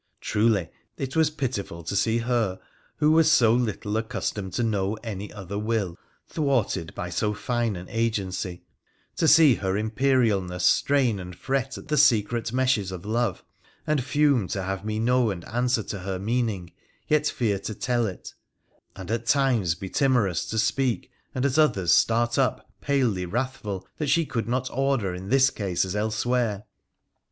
Truly, it was pitiful to see her, who was so little accustomed to know any other will, thwarted by so fine an agency — to see her imperialness strain and fret at the silken meshes of love, and fume to have me know and answer to her meaning yet fear to tell it, and at times be timorous to speak and at others start up palely wrathful that she could not order in this case as elsewhere.